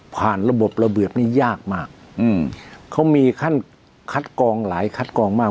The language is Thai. ระบบระเบียบนี้ยากมากอืมเขามีขั้นคัดกองหลายคัดกองมาก